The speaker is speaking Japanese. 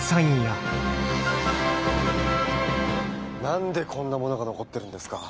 何でこんなものが残ってるんですか？